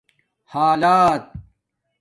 حالات